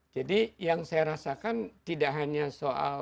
jadi yang saya rasakan tidak hanya soal